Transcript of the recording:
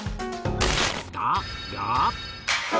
だが！